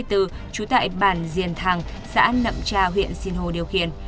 trú tại bàn diền thàng xã nậm tra huyện sinh hồ điều khiển